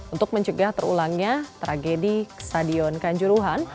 untuk mencegah terulangnya tragedi stadion kanjuruhan